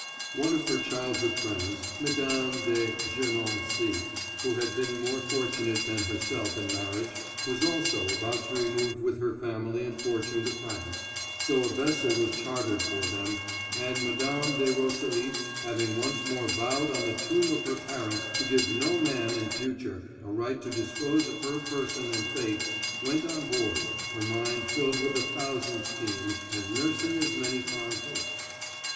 One of her childhood friends, Mme. de Gernancé, who had been more fortunate than herself in marriage, was also about to remove with her family and fortune to France, so a vessel was chartered for them, and Mme. de Roselis, having once more vowed on the tomb of her parents to give no man in future a right to dispose of her person and fate went on board, her mind filled with a thousand schemes, and nursing as many fond hopes.